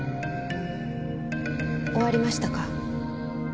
終わりましたか？